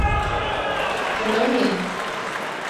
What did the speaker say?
Tu nayê